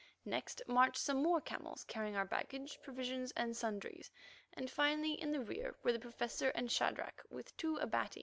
Next marched some more camels, carrying our baggage, provisions, and sundries, and finally in the rear were the Professor and Shadrach with two Abati.